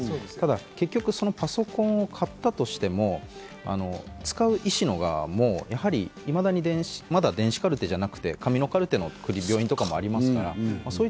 ただ結局パソコンを買ったとしても、使う医師の側もいまだに電子カルテじゃなくて紙のカルテの病院とかもありますから。